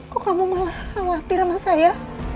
kok kamu malah khawatir sama saya